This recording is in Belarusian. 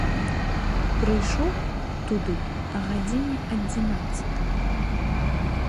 Прыйшоў туды а гадзіне адзінаццатай.